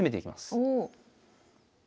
おお。